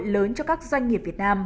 cơ hội lớn cho các doanh nghiệp việt nam